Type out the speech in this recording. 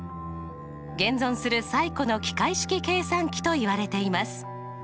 現存する最古の機械式計算機といわれています。